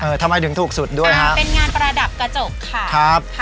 ทำไมถึงถูกสุดด้วยฮะเป็นงานประดับกระจกค่ะครับค่ะ